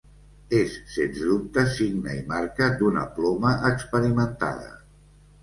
És sens dubte signe i marca d'una ploma experimentada.